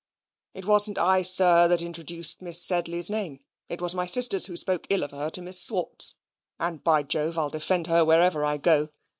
"It wasn't I, sir, that introduced Miss Sedley's name. It was my sisters who spoke ill of her to Miss Swartz; and by Jove I'll defend her wherever I go.